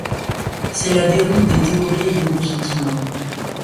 C'est la déroute des théories et des bons sentiments.